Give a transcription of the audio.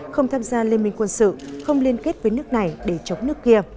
không tham gia liên minh quân sự không liên kết với nước này để chống nước kia